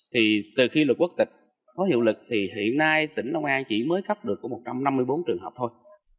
thì từ khi luật quốc tịch có hiệu lực thì hiện nay tỉnh long an chỉ mới cấp được một trăm năm mươi bốn trường hợp thôi